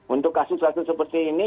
untuk kasus kasus seperti ini